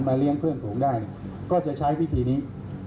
เลี้ยงเพื่อนฝูงได้ก็จะใช้วิธีนี้